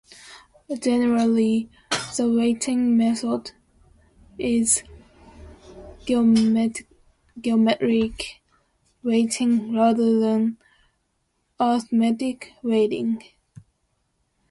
Generally, the weighting method is geometric weighting rather than arithmetic weighting.